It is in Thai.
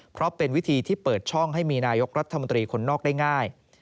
เพราะเป็นวิธีที่เปิดช่องให้มีนายกรัฐมนตรีคนนอกได้ง่าย